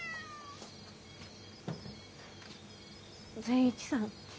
善一さん。